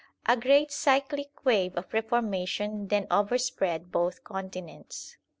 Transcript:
A great cyclic wave of reformation then overspread both continents.